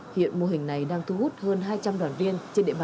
hiện mô hình này đang thu hút hơn hai trăm linh đoàn viên